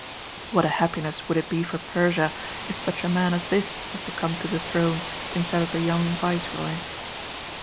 What a happiness would it be for Persia if such a man as this was to come to the throne instead of the young viceroy.